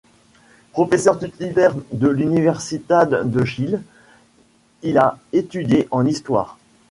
Professeur titulaire de l'Universidad de Chile, il a étudié en histoire.